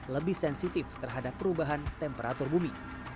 lebih sensitif terhadap perubahan temperatur bumi